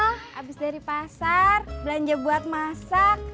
habis dari pasar belanja buat masak